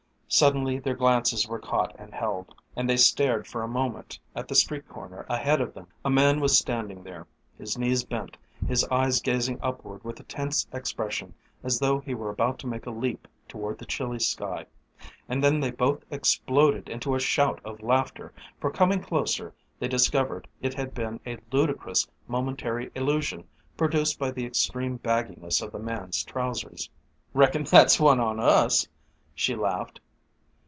Suddenly their glances were caught and held, and they stared for a moment at the street corner ahead of them. A man was standing there, his knees bent, his eyes gazing upward with a tense expression as though he were about to make a leap toward the chilly sky. And then they both exploded into a shout of laughter, for coming closer they discovered it had been a ludicrous momentary illusion produced by the extreme bagginess of the man's trousers. "Reckon that's one on us," she laughed.